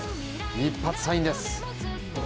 一発サインです。